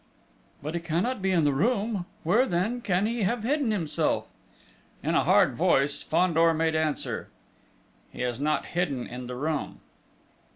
"But he cannot be in the room?... Where, then, can he have hidden himself?" In a hard voice, Fandor made answer. "He is not hidden in the room...."